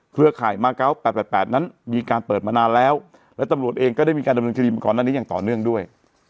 ข่ายมาเกาะ๘๘นั้นมีการเปิดมานานแล้วและตำรวจเองก็ได้มีการดำเนินคดีมาก่อนหน้านี้อย่างต่อเนื่องด้วย